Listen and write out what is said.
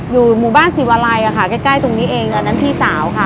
อยู่หมู่บ้านสิวาลัยค่ะใกล้ตรงนี้เองอันนั้นพี่สาวค่ะ